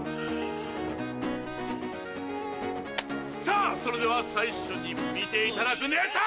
さぁそれでは最初に見ていただくネタ！